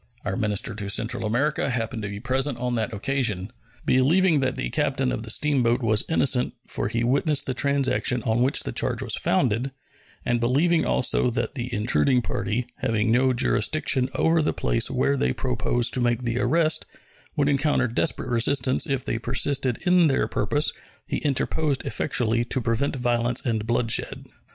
Our minister to Central America happened to be present on that occasion. Believing that the captain of the steamboat was innocent (for he witnessed the transaction on which the charge was founder), and believing also that the intruding party, having no jurisdiction over the place where they proposed to make the arrest, would encounter desperate resistance if they persisted in their purpose, he interposed, effectually, to prevent violence and bloodshed.